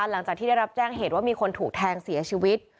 หลังจากที่ได้รับแจ้งเหตุว่ามีคนถูกแทงเสียชีวิต